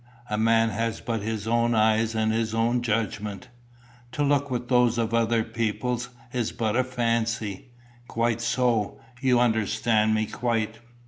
A man has but his own eyes and his own judgment. To look with those of other people is but a fancy." "Quite so. You understand me quite."